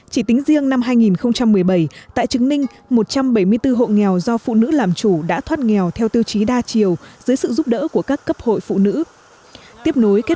chỉ tính riêng năm hai nghìn một mươi bảy tại trứng ninh một trăm bảy mươi bốn hộ nghèo do phụ nữ làm chủ đã thoát nghèo theo tiêu chí